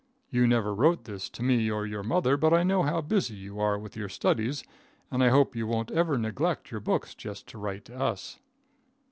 You never wrote this to me or to your mother, but I know how busy you are with your studies, and I hope you won't ever neglect your books just to write to us.